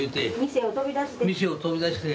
「店を飛び出して」。